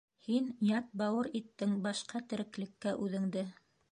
Һин ят бауыр иттең башҡа тереклеккә үҙеңде!